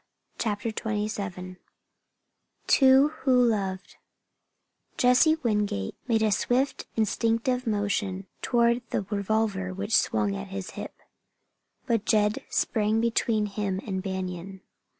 CHAPTER XXVII TWO WHO LOVED Jesse Wingate made a swift instinctive motion toward the revolver which swung at his hip. But Jed sprang between him and Banion.